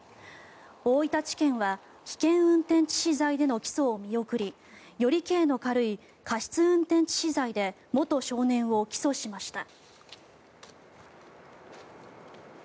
大分地検は危険運転致死罪での起訴を見送りより刑の軽い過失運転致死罪で元少年を起訴しました。